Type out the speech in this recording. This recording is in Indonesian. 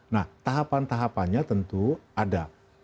nah tahapan tahapannya tentu ada